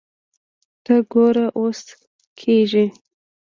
ته ګوره اوس کسږي